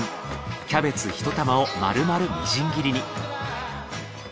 キャベツ１玉を丸々みじん切りに。